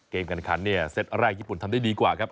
การขันเนี่ยเซตแรกญี่ปุ่นทำได้ดีกว่าครับ